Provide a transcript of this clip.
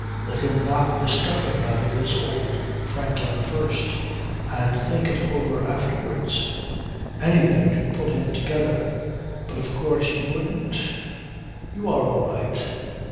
Let him knock the stuffing out of his old Franklin first and think it over afterwards. Anything to pull him together. But of course you wouldn't. You are all right.